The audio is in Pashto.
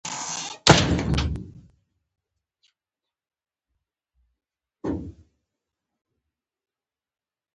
څلور زره کسان له دېرشو زرو جنګياليو سره نه دې برابر.